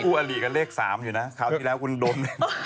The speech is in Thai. คุณกู้อาหรี่ก็เลข๓อยู่นะคราวทีแล้วคุณดม